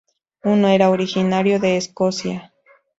Uno era originario de Escocia.